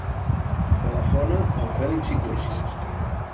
Telefona al Fèlix Iglesias.